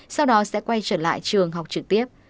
sau đó sẽ quay trở lại trường học trực tiếp